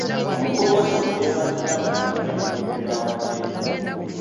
Omukulu w'essomero yeebazizza abayizi olw'ebintu bye baawaddeyo.